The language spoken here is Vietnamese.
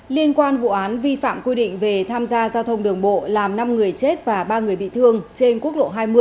liên quan vụ án vi phạm quy định về tham gia giao thông đường bộ làm năm người chết và ba người bị thương trên quốc lộ hai mươi